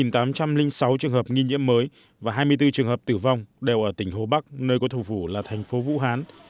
một tám trăm linh sáu trường hợp nghi nhiễm mới và hai mươi bốn trường hợp tử vong đều ở tỉnh hồ bắc nơi có thủ vụ là thành phố vũ hán